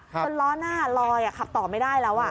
จนล้อหน้าลอยขับต่อไม่ได้แล้ว